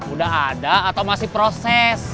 udah ada atau masih proses